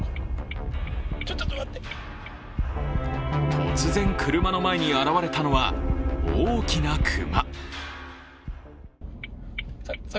突然、車の前に現れたのは大きな熊。